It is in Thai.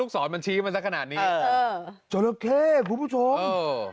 สอนมันชี้มันสักขนาดนี้เออเออจราเคผู้ผู้ชมเออ